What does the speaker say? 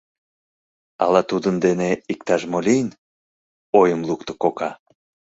— Ала тудын дене иктаж-мо лийын? — ойым лукто кока.